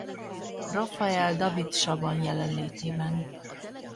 Rafael David Saban jelenlétében.